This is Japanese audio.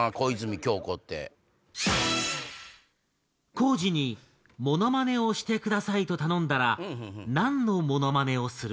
光司にモノマネをしてくださいと頼んだら何のモノマネをする？